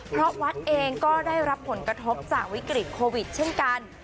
เพราะวัดเองก็ได้รับผลกระทบจากวิกฤตโควิดเช่นกัน